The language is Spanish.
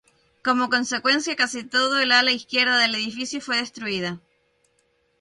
Como consecuencia casi todo el ala izquierda del edificio fue destruida.